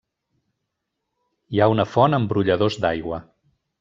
Hi ha una font amb brolladors d'aigua.